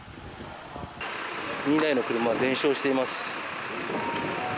２台の車、全焼しています。